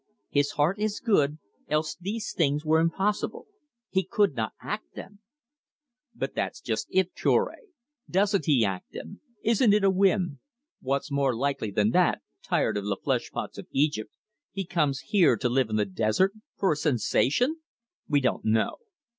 His heart is good, else these things were impossible. He could not act them." "But that's just it, Cure. Doesn't he act them? Isn't it a whim? What more likely than that, tired of the flesh pots of Egypt, he comes here to live in the desert for a sensation? We don't know."